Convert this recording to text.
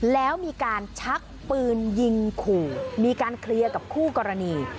แล้วมีการชักปืนยิงขู่มีการเคลียร์กับคู่กรณี